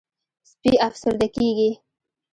سپي افسرده کېږي.